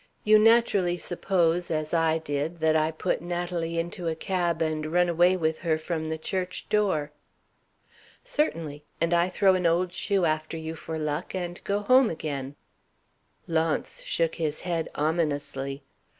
You naturally suppose, as I did, that I put Natalie into a cab, and run away with her from the church door?" "Certainly. And I throw an old shoe after you for luck, and go home again." Launce shook his head ominously.